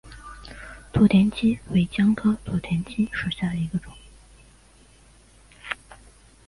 土田七为姜科土田七属下的一个种。